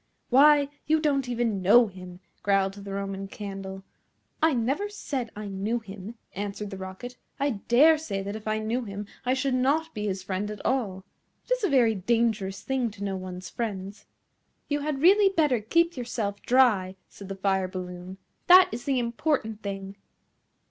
"Why, you don't even know him," growled the Roman Candle. "I never said I knew him," answered the Rocket. "I dare say that if I knew him I should not be his friend at all. It is a very dangerous thing to know one's friends." "You had really better keep yourself dry," said the Fire balloon. "That is the important thing."